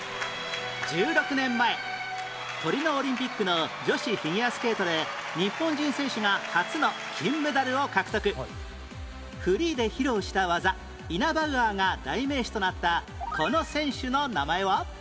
１６年前トリノオリンピックの女子フィギュアスケートでフリーで披露した技イナバウアーが代名詞となったこの選手の名前は？